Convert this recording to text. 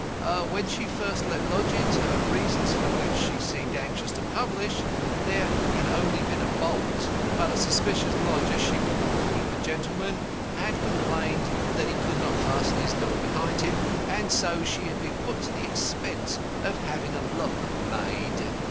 When she first let lodgings, her reasons for which she seemed anxious to publish, there had only been a bolt, but a suspicious lodger, she would not call him a gentleman, had complained that he could not fasten his door behind him, and so she had been put to the expense of having a lock made.